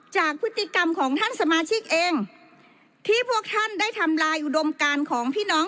จากพฤติกรรมของท่านสมาชิกเองที่พวกท่านได้ทำลายอุดมการของพี่น้อง